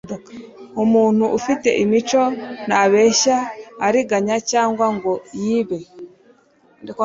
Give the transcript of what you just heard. Umuntu ufite imico ntabeshya, ariganya, cyangwa ngo yibe.